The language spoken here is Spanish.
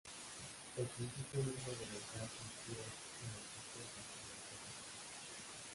El principio mismo de lanzar se inspira en el gesto ancestral del cazador.